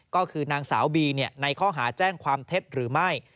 ก็คือนางสาวบีในข้อหาแจ้งความเท็จหรือไม่